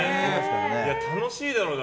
楽しいだろうな。